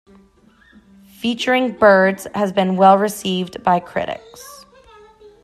"Featuring "Birds" has been well received by critics.